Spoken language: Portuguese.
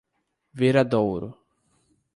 Viradouro